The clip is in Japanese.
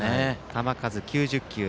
球数は９０球。